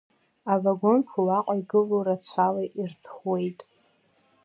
Авагонқәа уаҟа игылоу, рацәала ирҭәуеит.